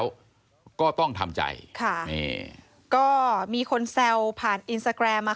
แล้วก็ต้องทำใจค่ะนี่ก็มีคนแซวผ่านอินสตาแกรมมา